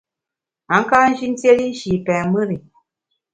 A ka nji ntiéli nshi pèn mùr i.